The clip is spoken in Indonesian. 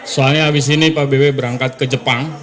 soalnya habis ini pak bewe berangkat ke jepang